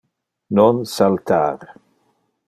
Non saltar!